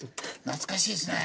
懐かしいですね！ね！